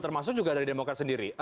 termasuk juga dari demokrat sendiri